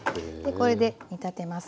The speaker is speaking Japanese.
これで煮立てます。